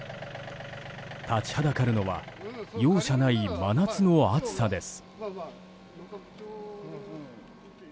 立ちはだかるのは容赦ない真夏な暑さです。